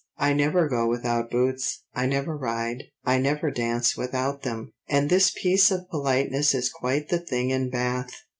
I never go without boots, I never ride, I never dance without them; and this piece of politeness is quite the thing in Bath.